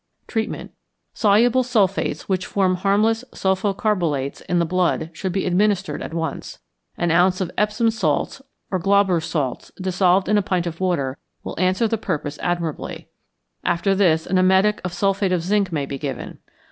Treatment. Soluble sulphates which form harmless sulpho carbolates in the blood should be administered at once. An ounce of Epsom salts or of Glauber's salts dissolved in a pint of water will answer the purpose admirably. After this an emetic of sulphate of zinc may be given.